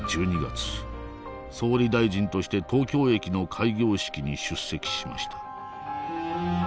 総理大臣として東京駅の開業式に出席しました。